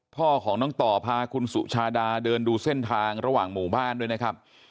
พ่อของน้องต่อพาคุณสุชาดาเดินดูเส้นทางระหว่างหมู่บ้านด้วยนะครับ